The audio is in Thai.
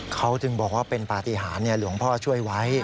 เขาจึงบอกว่าเป็นปฏิหารหลวงพ่อช่วยไว้